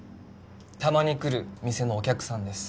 たまに来る店のお客さんです